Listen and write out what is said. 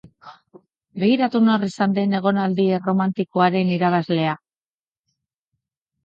Begiratu nor izan den egonaldi erromantikoaren irabazlea!